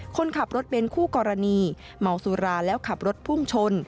คนขับรถเบ้นคู่กรณีเมาสุราแล้วขับรถพุ่งชน